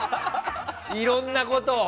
いろんなことを。